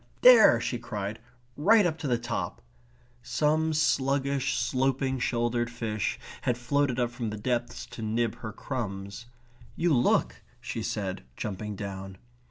There!" she cried. "Right up to the top!" Some sluggish, sloping shouldered fish had floated up from the depths to nip her crumbs. "You look," she said, jumping down.